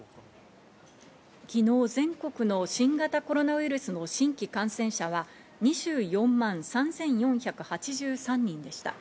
昨日、全国の新型コロナウイルスの新規感染者は、２４万３４８３人でした。